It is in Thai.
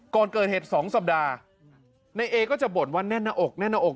ก่อนเกิดเหตุ๒สัปดาห์ในเอ๊ก็จะบ่นวันแน่นออกแน่นออก